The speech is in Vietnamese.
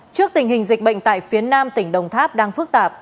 trước tình hình dịch bệnh tại phía nam tỉnh đồng tháp đang phức tạp